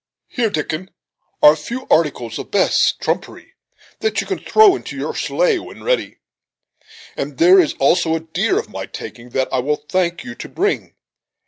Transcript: Here, Dickon, are a few articles of Bess' trumpery, that you can throw into your sleigh when ready; and there is also a deer of my taking, that I will thank you to bring.